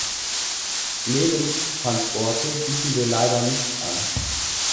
Lebendtransporte bieten wir leider nicht an.